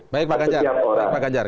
baik pak ganjar